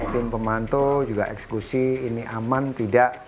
tim pemantau juga eksekusi ini aman tidak